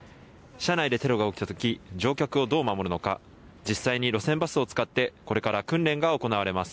車内でテロが起きたとき乗客をどう守るのか実際に路線バスを使ってこれから訓練が行われます。